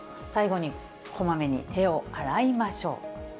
最後に、こまめに手を洗いましょう。